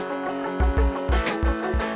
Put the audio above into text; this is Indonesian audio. ayo malah dimarahin siapa pilih